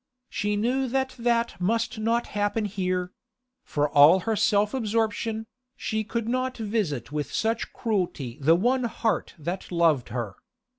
She knew that that must not happen here; for all her self absorption, she could not visit with such cruelty the one heart that loved her.